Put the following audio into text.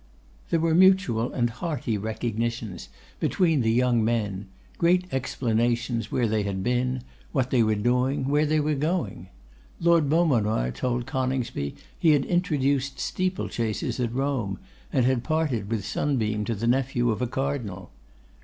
There were mutual and hearty recognitions between the young men; great explanations where they had been, what they were doing, where they were going. Lord Beaumanoir told Coningsby he had introduced steeple chases at Rome, and had parted with Sunbeam to the nephew of a Cardinal.